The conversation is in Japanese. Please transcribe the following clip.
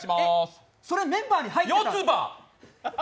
えっ、それメンバーに入ってるの？